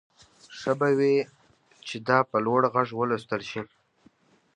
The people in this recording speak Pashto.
ښه به وي چې دا په لوړ غږ ولوستل شي